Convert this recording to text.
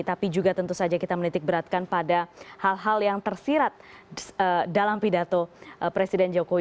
tapi juga tentu saja kita menitik beratkan pada hal hal yang tersirat dalam pidato presiden jokowi